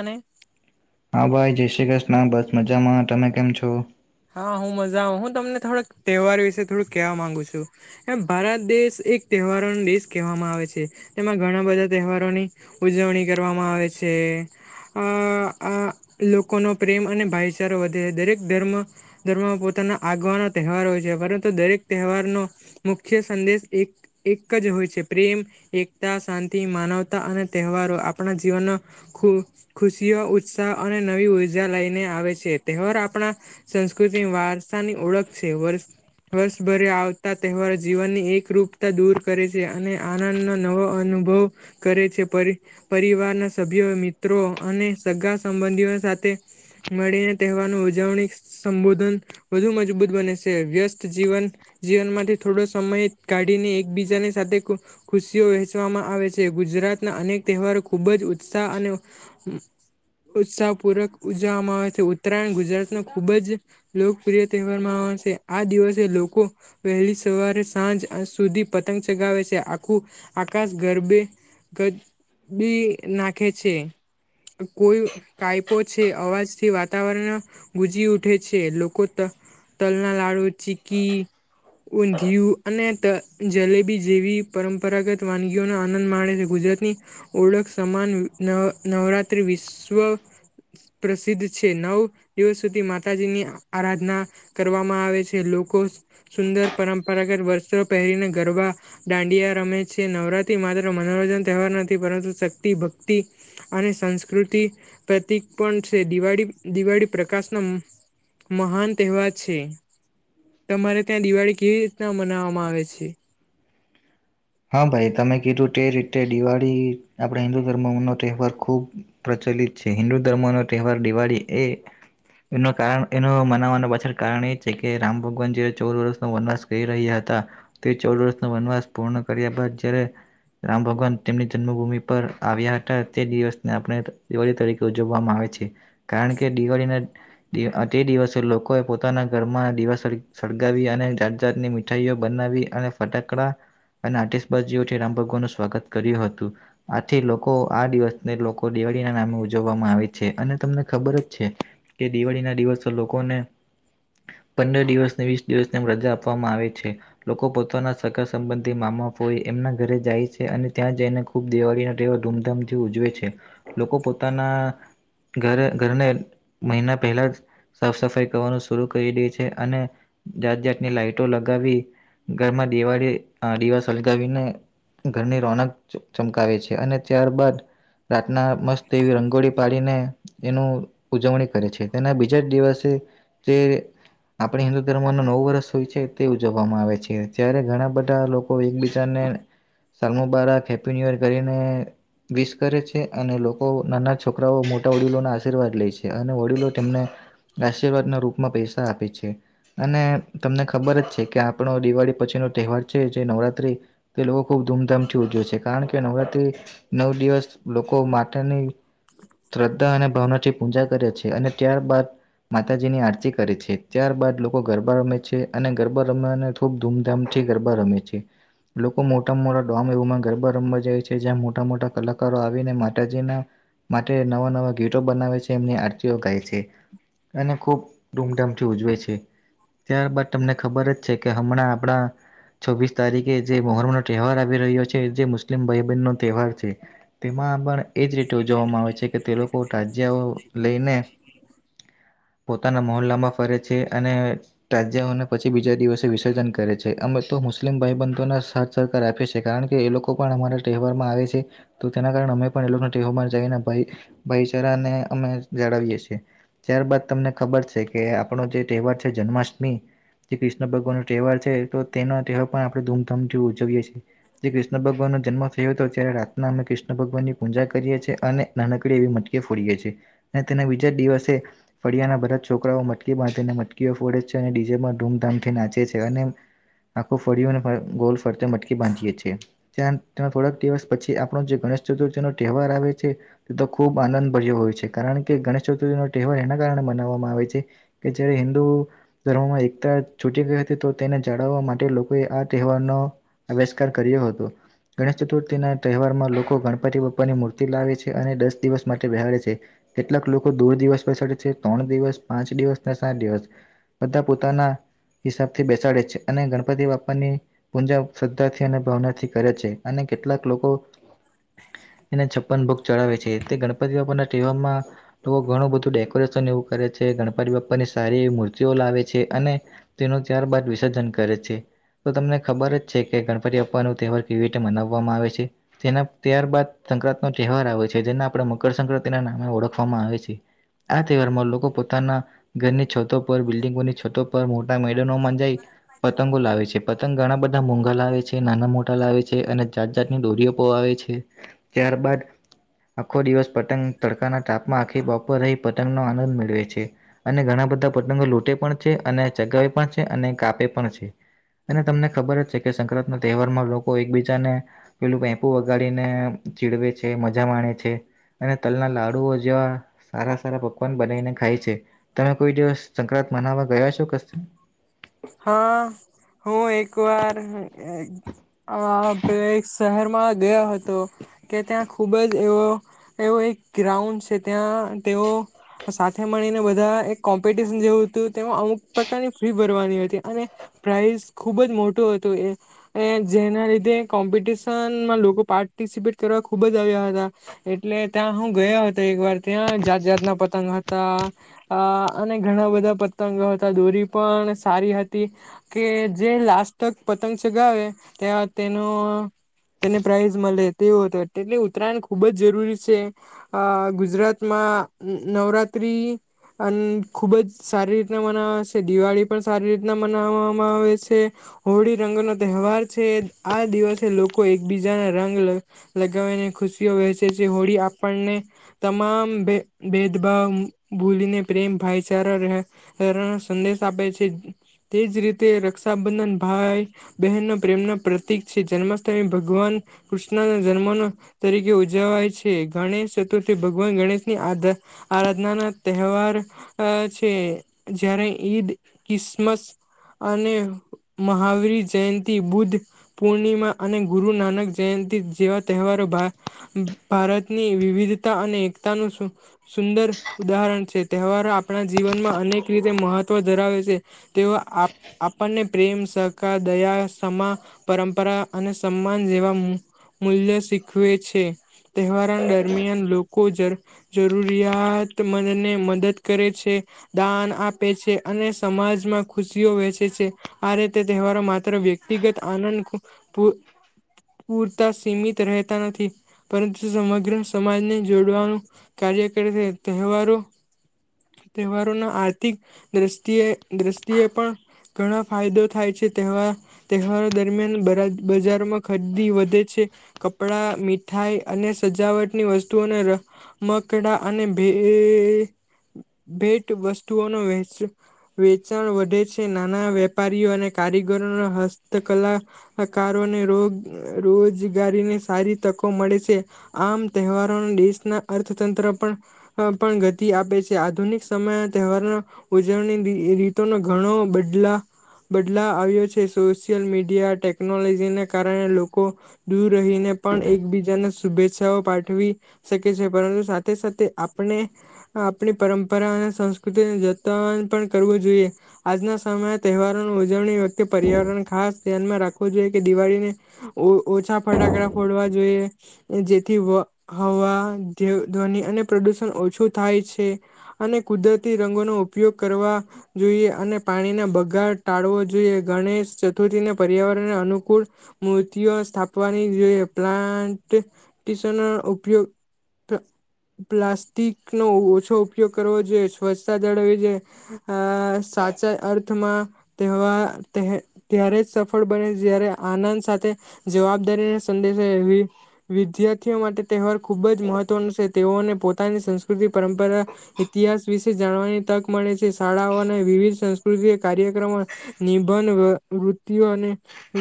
અનેને હા ભાઈ જય શ્રી કૃષ્ણ બસ મજામાં તમે કેમ છો હા હું મજા આવે હું તમને થોડાક તહેવાર વિશે થોડુંક કહેવા માંગુ છું એમ ભારત દેશ એક તહેવારોનો દેશ કહેવામાં આવે છે તેમાં ઘણા બધા તહેવારોની ઉજવણી કરવામાં આવે છે તે લોકોનો પ્રેમ અને ભાઈચારો વધે દરેક ધર્મ ધર્મમાં પોતાના આગવાનો તહેવાર હોય છે પરંતુ દરેક તહેવારનો મુખ્ય સંદેશ એક એક જ હોય છે પ્રેમ એકતા શાંતિ માનવતા અને તહેવારો આપણા જીવનનો ખ ખુશીઓ ઉત્સાહ અને નવી ઉર્જા લઈને આવે છે તહેવાર આપણા સંસ્કૃતિ વારસાની ઓળખ છે વર્ષ વર્ષભરે આવતા તહેવારો જીવનની એક રરૂપતા દૂર કરે છે અને આનંદનો નવો અન અનુભ કરે છે પરિવારના સભ્યો મિત્રો અને સગા સંબંધીઓ સાથે મળીને તહેવારની ઉજવણી સંબોધન વધુ મજબૂત બને છે વ્યસ્ત જીવન જીવનમાંથી થોડો સમય ક ને એકબીજાની સાથે ખુશીઓ વહેચવામાં આવે છે ગુજરાતના અનેક તહેવારો ખુબ જ ઉ ઉત્સાહ અને ઉત્સાહપૂર્વક ઉજવવામાં આવે છે ઉત્તરાયણ ગુજરાતનો ખૂબ જ લોકપ્રિય તહેવારમાં આવે છે આ દિવસે લોકો વહેલી સવારે સાંજ અંશ સુધી પતંગ ચગાવે છે આખું આકાશ ગરબે ગ બી નાખે છે કોઈ કાયપો છે અવાજથી વાતાવરણ ગુજી ઉઠે છે લોકો ત તલ ના લાડુ ચીકી ધીયું અને જલેબી જેવી પરંપરાગત વાનગીઓનો આનંદ માણે છે ગુજરા ગુજરાત ની ઓળખ સમાન ન નવરાત્રી વિશ્વ પ્રસિદ્ધ છે નવ દિવસ સુધી માતાજીની આરાધના કરવામાં આવે છે લોકો સુંદર પરંપરાગત વર્ષો પહેરીને ગરબા દાંડયા રમે છે નવરાત્રી માત્ર મનોરંજન તહેવાર નથી પરંતુ શક્તિ ભક્તિ અને સંસ્કૃતિ પ્રતિક પણ છેિ દિવાળી પ્રકાશનો મહાન તહેવાર છે તમારે ત્યાં દિવાળી કેવી રીતના મનાવામાં આવે છે હા ભાઈ તમે કીધું તે રીતે દિવાળી આપણે હિન્દુ ધર્મ ન તહેવાર ખૂબ ચલિત છે હિન્દુ ધર્મનો તહેવાર દિવાળી એ એ કાર એ મનાવવાના પાછળ કારણ એ છે કે રામ ભગવાન જે ચૌદ વર્ષનો વનનાસ કરી રહ્યા હતા હતા તે ચૌદ વર્ષનો વનવાસ પૂર્ણ કર્યા બાદ જ્યારે રામ ભગવાન તેમની જન્મભૂમિ પર આવ્યા હતા તે દિવસને આપણે દિવાળી તરીકે ઉજવવામાં આવે છે કારણ કે દિવાળીના તે દિવસે લોકોએ પોતાના ઘરમાં દિવાસળ સડગાવી અને જાત જાાતની મીઠાઈઓ બનાવી અને ફટાકડા અને આર્ટિશબાજજીઓથી રામ ભગવાનું સ્વાગત કર્યું હતું આથી લોકો આ દિવસને લોકો દિવાળી નામે ઉજવવામાં આવે છે અને તમને ખબર જ છે કે દિવાળી ના દિવસ લોકોને પંદર દિવસને વીસ દિવસને રજા આપવામાં આવે છે લોકો પોતાના સકારા સંબંધ મામાપઈ એમના ઘરે જાય છે અને ત્યાં જઈને ખૂબ દિવાળીના વા ધૂમધામથી ઉજવે છે લોકો પોતાના ઘરે ઘરને મહિના પહેલા જ સાફ સફાઈ કરવાનું શરૂ કરી દે છે અને જાત જાાતની લાાઈટો લગાવી ઘરમાં દિવાળી દિવા સળગાવીને ઘરની રોનક ચમકાવી છે અને ત્યારબાદ રાતના મસ્ત એવી રંગોળી પાડીને એનું ઉજવણી કરે છે તેના બીજા જ દિવસે [inaudible] આપણે હિન્દુ ધર્મ ન નવ વર્ષ હોય છે તે ઉજવવામાં આવે છે ત્યારે ઘણા બધા લોકો એકબીજાને સાલમ બારાક હેપપી ન્ય ર કરીને વિસ કરે છે અને લોકો નાના છોકરાઓ મોટા વડીલોના આશીર્વાદ લે છે અને વડીલો તેમને આશીર્વાદના રૂપમાં પૈસા આપે છે અને તમને ખબર જ છે કે આપણો દિવાળી પછીનોો તહેવાર જે નવરાત્રી તે લોકો ખૂબ ધૂમધામથી ઉજવે છે કારણ કે નવરાત્રી નવ દિવસ લોકો માટેની શ્રદ્ધા અને ભાવનાથી પૂજા કરે છે અને ત્યાર બાદ માતાજી ની આરતી કરે છે ત્યાર બાાદ લોકો ગરબા રમે છે અને ગરબા રમવાને ખૂબ ધૂમધામથી ગરબા રમે છે. લોકો મોટા-મોટા ડોમ એવમાં ગરબા રમવા જાય છે જ્યાં મોટા મોટા કલાકારો આવીને માતાજીના માટે નવા નવા ગીટો બનાવે છે એમની આરતીઓ ગાય છે. અને ખૂબ ધૂમધામથી ઉજવે છે. ત્યારબાદ તમને ખબર જ છે કે હમણાં આપણા છવ્વીસ તારીખે જે મોહર્મનો તહેવાર આવી રહ્યો છે જે મુસ્લિમ ભાઈબહેન નો તહેવાર છે. તેમાં પણ એ જ રીતે ઉજવવામાં આવે છે કે તે લોકો તાજ્યાઓ લઈને [inaudible] પોતાના મોહ્હલા માં લાંબા ફરે છે અને તાજાઓને પછી બીજા દિવસે વિસર્જન કરે છે. અમે તો મુસ્લિમ ભાઈબંધોને સરહકાર આપીએ છી કારણ કે એ લોકો પણ અમારા તહેવારમાં આવે છે. તેના કારણે અમે પણ એ લોકો જને ભાઈચારાને અમે જાળવીએ છીએ. ત્યારબાદ તમને ખબર છે કે આપણો જે તહેવાર છે જન્માષ્ટમી જે કૃષ્ણ ભગવાન નો તહેવાર છે તો તેનો તહેવાર પણ આપણે ધૂમધામથી ઉજવીએ છીએ જે કૃષ્ણ ભગવાન નો જન્મ થયો હતો ત્યારે રાતના અમે કૃષ્ણ ભગવાનની પૂજા કરીએ છીએ અને નાનકડી એવી મટકી ફોડીએ છીએ. ને તેના બીજા દિવસે ફળિયાના બધા જ છોકરાઓ મટકી બાંધીને મટકીઓ ફોડે છે અને ડીજેમાં ધૂમધામથી નાચે છે અને આખું ફર્યું અને ગોલ ફરતે મટકી બાંધીએ છીએ થોડાક દિવસ પછી આપણો ગણેશ ચતુર્થી નો તહેવાર આવે છે તે તો ખૂબ આનંદ ભર્યો હોય છે કારણ કે ગણેશ ચતુર્થીનો તહેવાર એના વામાં આવે છે કે જયારે હિન્દુ ધર્મમાં એકતા છૂટી ગઈ હતી તો તેને ચડવવા માટે લોકોએ આ તહેવારનો આિષ્કાર કર્યો હતો. ગણેશ ચતુર્થીના તહેવારમાં લોકો ગણપતિ બાપ્પાની મૂર્તિ લાવે છે અને દસ દિવસ માટે વહાડે છે કેટલાક લોકો દૂર દિવસ પસેરે છે ત્રણ દિવસ પાંચ દિવસ સાત દિવસ બધા પોતાના હિસાબ થી બેસાડે છે અને ગણપતિ બાપ્પા ની પૂજા શ્રદ્ધાથી અને ભાવનાથી કરે છે અને કેટલાક લોકો [inaudible] એને છપ્પન ભોગ ચડાવે છે એલે ગણપતિ બાપાના હેવાર માં લોકો ઘણું બધું ડેકોરેશન એવું કરે છે. ગણપતિ બાપ્પા ની સારી એવી મૂર્તિઓ લાવે છે અને તેનું ત્યારબાદ વિસર્જન કરે છે. તો તમને ખબર જ છે કે ગણપતિ બપ્પવા નો તહેવાર કેવી રીતે મનાવવામાં આવે છે તેના ત્યારબદ સંક્રાંત નો તહેવાર આવે છે જેને આપણે મકરસંક્રાંતિના નામે ઓળખવામાં આવે છે. આ તહેવારમાં લોકો પોતાના ઘરની છતા બિલ્ડિંગોની છતો પર મોટા મેદનોમાં જાય. પતંગો લાવે છે પતંગ ઘણા બધા મોંઘા લાવે છે નાના મોટા લાવે છે અને જાત જાતની દોરીઓ પવાવે ત્યારબાદ આખો દિવસ પતંગ તડકાના ટાપમાં આખી બપોરે રહી પતંગનો આનંદ મેળવે છે અને ઘણા બધા પતંગો લૂંટે પણ છે અને ચગાવે પણ છે અને કાપે પણ છે અને તમને ખબર જ છે કે સંક્રાંત ના તહેવારમાં લોકો એકબીજાને પેલું પેપુ વગાડીને ચીડવે છે મજા માણે છે. અને તલના લાડુઓ જેવા સારા સારા પકવાન બનાવીને ખાય છે તમે કોઈ દિવસ સંક્રાંત મનાવવા ગયા છો કશે? હા હું એક વાર અ પહેલા એક શહેરમાં ગયો હતો કે ત્યાં ખુબ જ એવો એવો ગ્રાઉન્ડ છે ત્યાં તેઓ સાથે મળીને બધા એક કોમ્પિટિશન જેવું હતું તેમાં અમુક પ્રકારની ફી ભરવાની હતી. પ્રાઈઝ ખુબ જ મોટું હતું એ જેના લીધે કોમ્પિટશન લોકો પાર્ટિસપેટ કરવા ખુબ જ આવ્યા હતા એટલે ત્યાં હું ગયા હતા એક વાર ત્યાં જાત જાત ના પતંગ હતા અ અને ઘણા બધા પતંગો હતા દોરી પણ સારી હતી કે જે લાસ્ટક પતંગ ચગાવે ત્યાં તેનો તેને પ્રાાઈઝ મળે તેવો હતો એટલે ઉત્તરાયણ ખુબ જ જરૂરી છે ગુજરાતમાં આ નવરાત્રી અન્ન ખુબ જ સારી રીતના મનાવાસે દિવાળી પણ સારી રીતે મનાવામાં આવે છે હોળી રંગ નો તહેવાર છે આ દિવસે લોકો એકબીજા જેને રંગ લગાવીને ખુશીઓ વહેસે છે હોળી આપણને તમામ ભે ભેદભાવ ભૂલીને પ્રેમ ભાઈચારા રેના સંદેશા આપે છે તે જ રીતે રક્ષાબંધન ભાઈ બહેનનો પ્રેમના પ્રતિક છે જન્માષ્ટમી ભગવાન વાન કૃષ્ણ ના જન્મ તરીકે ઉજવાય છે ગણેશ ચતુર્થી ભગવાન ગણેશની આર આરાધના ના તહેવાર છે જયારે ઈદ કિસ મસ અને મહાવીર જયંતિ બુદ્ધ પૂર્ણિમા અને ગુરુ નાનક જયંતિ જેવા તહેવારો ભારતની વિવિધતા અને એકતાનું સુંદર ઉદાહરણ છે તહેવારો આપણા જીવનમાં અનેક રીતે મહત્વ ધરાવે છે તેઓ આપણને પ્રેમ સહકાર દયા સમા પરંપરા અને સમાન જેવા મૂલ્ય શીખવે છે તહેવાર દરમિયાન લોકો જરૂરિયાતમનને મદદ કરે છે દાન આપે છે અને સમાજમાં ખુશીઓ વેચે છે આ રીતે તહેવારો માત્ર વ્યક્તિગત આનંદ પૂરતા સીમિત રહેતા નથી પરંતુ સમગ્ર સમાજને જોડવાનું કાર્ય કરે છે તહેવારોના આર્થિક દ્રષ્ટિએ પણ ઘણા ફાયદો થાય છે તવા તહેવારો દરમિયાન બજારમાં ખરીદી વધે છે કપડા મીઠાઈ અને સજાવટની વસ્તુઓને રમકડા અને ભેએ ભેટ વસ્તુઓનો વહેંચ વેચાણ વધે છે નાના વેપારીઓ અને કારીગરોનો હસ્તકલા કારોને રોજગારીને સારી તકો મળે છે આમ તહેવારોને દેશ ના અર્થતંત્ર પણ પણ ગતિ આપે છે આધુનિક સમય તહેવાર ઉજ ઉજવણીની રીતો નો ઘણો બદલા બદલા આવ્યો છે સોશિયલ મીડિયા ટેકનોલોજીને કારણે લોકો દૂર રહીને પણ એકબીજાને શુભેચ્છાઓ પાઠવી શકે છે પરંતુ સાથે સાથે આપણે આપણી પરંપરા અને સંસ્કૃતિને તણ પણ કરવું જોઈએ આજના સમયે તહેવારોની ઉજવણી વખતે પર્યાવરણ ખાસ ધ્યાનમાં રાખવુ રાખવું જોઈએ કે દિવાળી ને ઓછા ફટાકડા ફોડવા જોઈએ જેથી હવા જેવું ધ્વનિ અને પ્રદુષણ ઓછું થાય છે અને કુદરતી રંગોનો ઉપયોગ કરવા જોઈએ અને પાણીના બગાડ ટાળવો જોઈએ ગણેશ ચતુર્થીને પર્યાવરણ ને અનુકૂળ મૂર્તિઓ સ્થાપવાની જોઈએ પ્લાન્ટન્ટિશનો ઉપયો પ્લાસ્ટિકનો ઓછો ઉપયોગ કરવો જોઈએ સ્વચ્છતા જાળવી. આ સાચા અર્થમા તહેવા તેહે ત્યારે જ સફળ બને જયારે આનંદ સાથે જવાબદારીને સંદેશા એવી વિદ્યાર્થીઓ માટે તહેવાર ખુબ જ મહત્વનો છે તેઓને પોતાની સંસ્કૃતિ પરંપરા ઇતિહાસ વિશે જાણવાની તક મળે છે. શાળાઓના વિવિધ સંસ્કૃતિ કાર્યક્રમો નિબંધ વૃતિઓ અને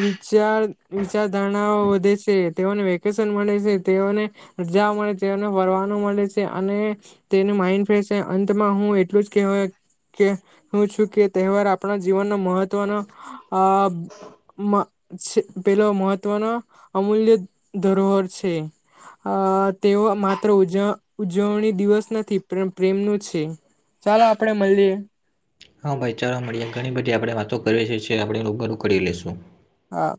વિચાર વિચારધારણાઓ વધે છે તેઓને વેકેશન મળે છે તેઓને જવા મળે છેને વરવાનું મળે છે અને તેનું માઇન્ડ ફેશ છે અંતમાં હું એટલું જ કે હોય કે હું છું કે તહેવાર આપણા જીવનનો મહત્વનો આ મ પેલા મહત્વના અમૂલ્ય ધરોહર છે. અ તેઓ માત્ર ઉજ ઉજવણી દિવસ નથી પણ પ્રેમનું છે. ચાલો આપડે મળીએ. હા ભાઈ ચાલવા મળી ઘણી બધી આપણે વાતો કરીએ છેએ આપણે [unintelligible] કરીડી લેશું. હા